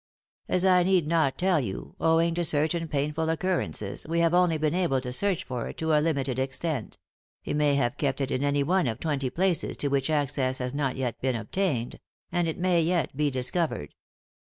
As I need not tell you, owing to certain painful occurrences, we have only been able to search for it to a limited extent ; he may have kept it in any one of twenty places to which access has not yet been obtained ; and it may yet be discovered.